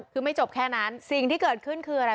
คือไม่จบแค่นั้นสิ่งที่เกิดขึ้นคืออะไร